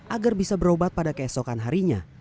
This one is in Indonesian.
agar bisa berobat pada keesokan harinya